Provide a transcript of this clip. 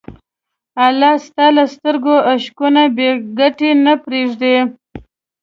الله ستا له سترګو اشکونه بېګټې نه پرېږدي.